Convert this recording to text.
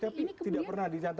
tapi tidak pernah ditantangkan